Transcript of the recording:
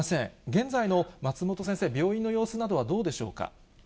現在の松本先生、病院の様子などはどうでしょうか？